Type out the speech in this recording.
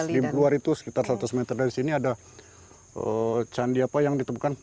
di luar itu sekitar seratus meter dari sini ada candi apa yang ditemukan